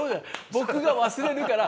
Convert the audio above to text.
僕が忘れるから。